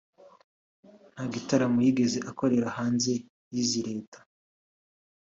nta gitaramo yigeze akorera hanze y’izi leta